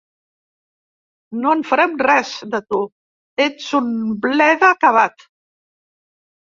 No en farem res, de tu: ets un bleda acabat.